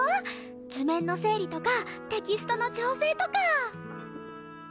図面の整理とかテキストの調整とか。